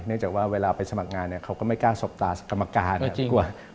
เนื่องจากว่าเวลาไปสมัครงานเนี่ยเขาก็ไม่กล้าสบตากรรมการครับ